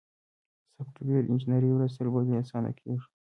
سافټویر انجینري ورځ تر بلې اسانه کیږي.